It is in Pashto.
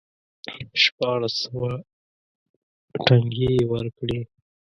شپاړس سوه ټنګې یې ورکړې.